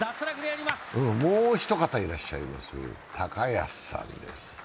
もうひと方いらっしゃいます、高安さんです。